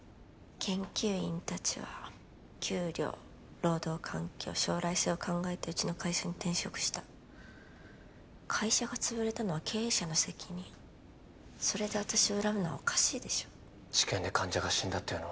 研究員達は給料労働環境将来性を考えてうちの会社に転職した会社が潰れたのは経営者の責任それで私を恨むのはおかしいでしょ治験で患者が死んだっていうのは？